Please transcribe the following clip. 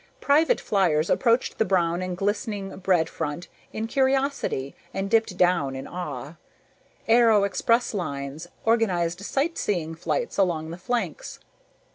Private fliers approached the brown and glistening bread front in curiosity and dipped back in awe. Aero expresslines organized sightseeing flights along the flanks.